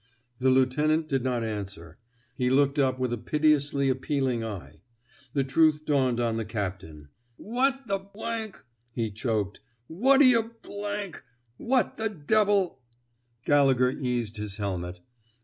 The lieutenant did not answer; he looked up with a piteously appealing eye. The truth dawned on the captain. What the '' He choked. ^* What d'yuh What the devil I'' Gallegher eased his helmet.